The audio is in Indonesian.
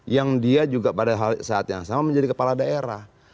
yang dia juga pada saat yang sama menjadi kepala daerah